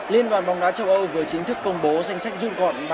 liên đoàn bóng đá châu âu vừa chính thức công bố danh sách dung gọn